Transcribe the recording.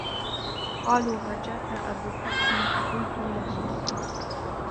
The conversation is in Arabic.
قالوا هجاك أبو حفصٍ فقلت لهم